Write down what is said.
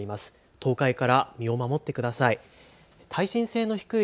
倒壊から身を守ってください。